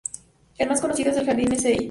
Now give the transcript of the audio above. El más conocido es el Jardín Massey.